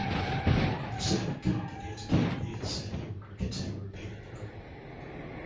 Of the seven candidates, Kennedy has said he would consider repealing the bill.